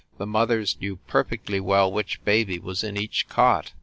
The mothers knew perfectly well which baby was in each cot.